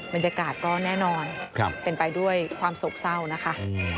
บรรยากาศก็แน่นอนเป็นไปด้วยความโศกเศร้านะคะ